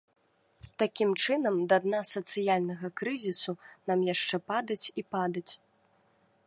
Такім чынам, да дна сацыяльнага крызісу нам яшчэ падаць і падаць.